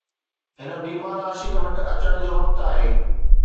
هن بيمار عاشق وٽ اچڻ جو وقت آهي